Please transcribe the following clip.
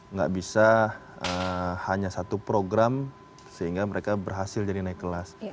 nggak bisa hanya satu program sehingga mereka berhasil jadi naik kelas